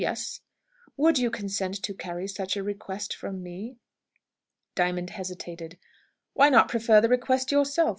Yes." "Would you consent to carry such a request from me?" Diamond hesitated. "Why not prefer the request yourself?"